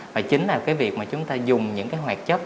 và chính là việc chúng ta dùng những hoạt chất